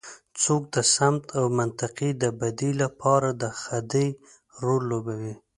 څوک د سمت او منطقې د بدۍ لپاره د خدۍ رول لوبوي.